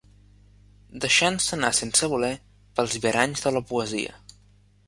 Deixant-se anar sense voler pels viaranys de la poesia